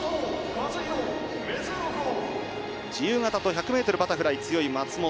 自由形と１００ｍバタフライ強い松元。